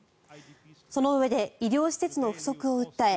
そのうえで医療施設の不足を訴え